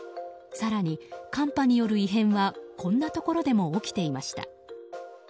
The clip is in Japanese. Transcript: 更に、寒波による異変はこんなところでも起きていました。